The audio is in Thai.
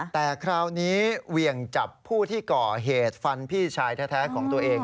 แต่คราวนี้เหวี่ยงจับผู้ที่ก่อเหตุฟันพี่ชายแท้ของตัวเอง